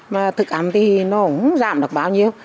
mà thực ám thì nó không giảm được bao nhiêu